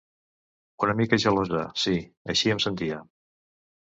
Una mica gelosa, sí, així em sentia.